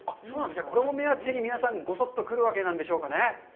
これを目当てに皆さん、ごそっと来るわけでしょうかね。